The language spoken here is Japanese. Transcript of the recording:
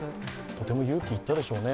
とても勇気がいったでしょうね